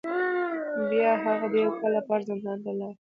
بیا هغه د یو کال لپاره زندان ته لاړ.